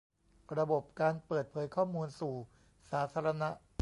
ระบบการเปิดเผยข้อมูลสู่สาธารณะ